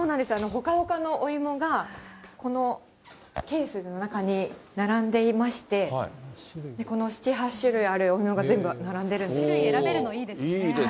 ほかほかのお芋が、このケースの中に並んでいまして、この７、８種類あるお芋が全部並んでいるんです。